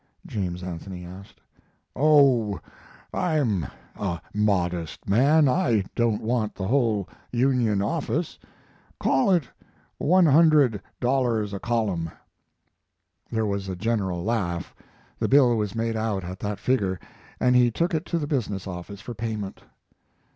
James Anthony asked. "Oh, I'm a modest man; I don't want the whole Union office. Call it $100 a column." There was a general laugh. The bill was made out at that figure, and he took it to the business office for payment.